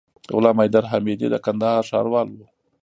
غلام حيدر حميدي د کندهار ښاروال وو.